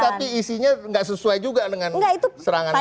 tapi isinya tidak sesuai juga dengan serangan kamu